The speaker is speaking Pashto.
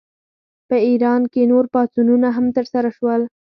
په ایران کې نور پاڅونونه هم ترسره شول.